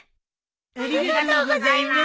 ありがとうございます。